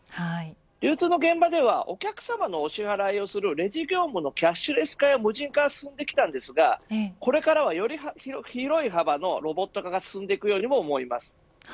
流通の現場ではお客さまの支払いをするレジ業務のキャッシュレス化や無人化は進んでいますがこれからは、より広い幅のロボット化が進んでいくと思います。